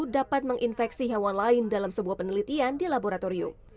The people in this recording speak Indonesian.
dapat menginfeksi hewan lain dalam sebuah penelitian di laboratorium